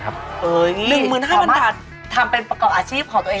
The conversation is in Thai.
ทำเป็นประกอบอาชีพของตัวเองได้เลยนะ